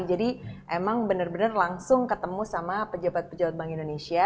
jadi emang benar benar langsung ketemu sama pejabat pejabat bank indonesia